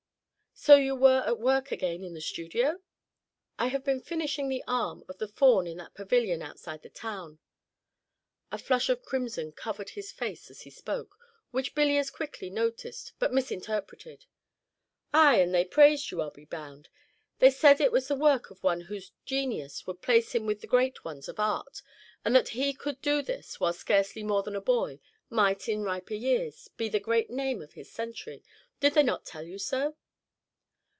"So you were at work again in the studio?" "I have been finishing the arm of the Faun in that pavilion outside the town." A flush of crimson covered his face as he spoke, which Billy as quickly noticed, but misinterpreted. "Ay, and they praised you, I 'll be bound. They said it was the work of one whose genius would place him with the great ones of art, and that he who could do this while scarcely more than a boy, might, in riper years, be the great name of his century. Did they not tell you so?"